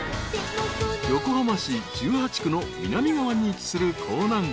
［横浜市１８区の南側に位置する港南区］